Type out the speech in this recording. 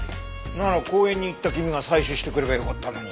なら公園に行った君が採取してくればよかったのに。